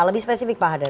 lebih spesifik pak hadrat